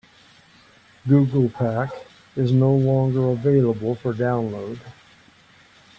Google Pack is no longer available for download.